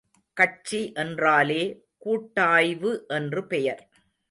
கட்சி என்றாலே கூட்டாய்வு என்று பெயர்.